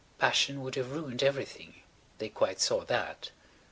Passion would have ruined everything; they quite saw that.